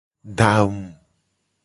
Da angu.